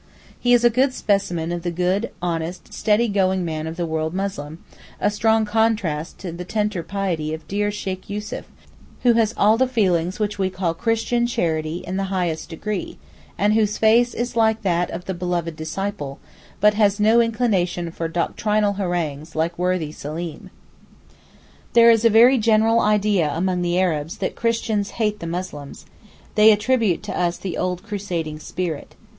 He is a good specimen of the good, honest, steady going man of the world Muslim, a strong contrast to the tender piety of dear Sheykh Yussuf, who has all the feelings which we call Christian charity in the highest degree, and whose face is like that of 'the beloved disciple,' but who has no inclination for doctrinal harangues like worthy Seleem. There is a very general idea among the Arabs that Christians hate the Muslims; they attribute to us the old Crusading spirit.